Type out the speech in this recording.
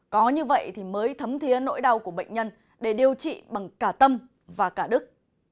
có như vậy thì mới thấm thiế nỗi đau của bệnh nhân để điều trị bằng cả tâm và cả đức